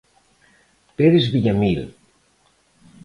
Perez Villamil.